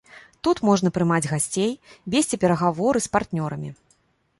Тут можна прымаць гасцей, весці перагаворы з партнёрамі.